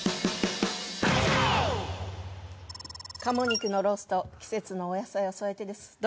鴨肉のロースト季節のお野菜を添えてです。